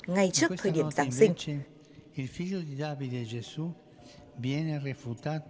ngay trước thời điểm giáng sinh